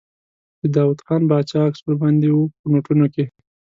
د داووخان باچا عکس ور باندې و په نوټونو کې.